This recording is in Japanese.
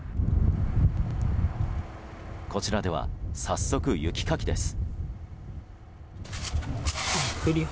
こちらでは早速、雪かきです。